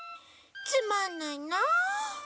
つまんないな。